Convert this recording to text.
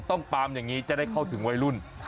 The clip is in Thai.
ปลามอย่างนี้จะได้เข้าถึงวัยรุ่น